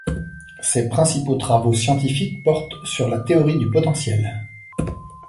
Ses principaux travaux scientifiques portent sur la théorie du potentiel.